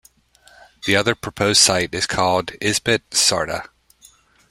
The other proposed site is called "Isbet Sartah".